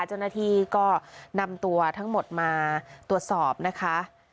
เจ้าหน้าที่ก็นำตัวทั้งหมดมาตรวจสอบนะคะ